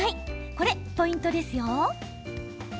これ、ポイントですよ。